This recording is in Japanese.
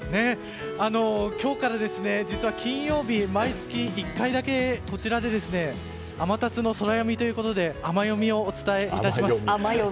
今日から実は金曜日毎月１回だけこちらで天達のソラよみということであまヨミをお伝えいたします。